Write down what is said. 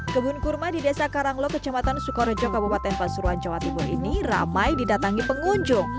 kebun kurma di desa karanglo kecamatan sukorejo kabupaten pasuruan jawa timur ini ramai didatangi pengunjung